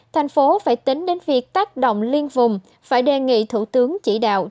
thành phố phải tính đến việc tác động liên vùng phải đề nghị thủ tướng chỉ đạo